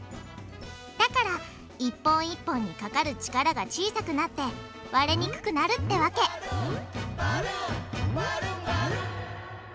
だから一本一本にかかる力が小さくなって割れにくくなるってわけへぇ。